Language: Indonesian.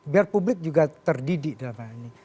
biar publik juga terdidik dalam hal ini